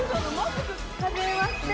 はじめまして。